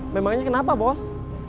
memangnya kenapa bos